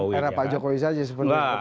ini bukan era pak jokowi saja sebenarnya